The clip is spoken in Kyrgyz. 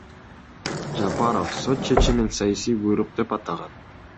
Жапаров сот чечимин саясий буйрук деп атаган.